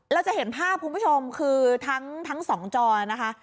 จะเห็นภาพคุณผู้ชมคือทั้งสองจอนะคะ